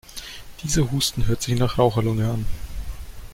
Dieser Husten hört sich nach Raucherlunge an.